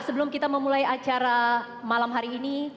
sebelum kita memulai acara malam hari ini